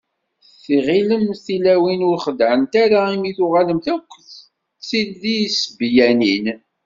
Tɣilemt tilawin ur xeddɛent ara imi tuɣalemt akk d tilisbyanin?